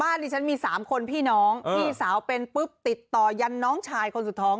ดิฉันมี๓คนพี่น้องพี่สาวเป็นปุ๊บติดต่อยันน้องชายคนสุดท้อง